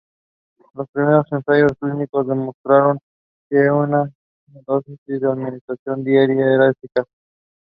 The whole sound mass then glides downward and becomes more agitated.